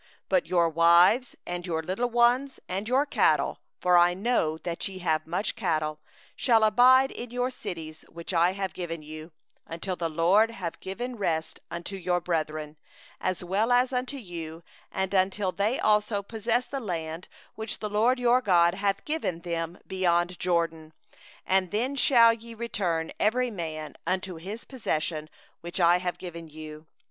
19But your wives, and your little ones, and your cattle—I know that ye have much cattle—shall abide in your cities which I have given you; 20until the LORD give rest unto your brethren, as unto you, and they also possess the land which the LORD your God giveth them beyond the Jordan; then shall ye return every man unto his possession, which I have given you.